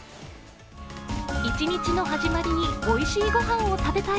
一日の始まりにおいしい御飯を食べたい。